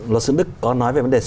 luật sư đức có nói về vấn đề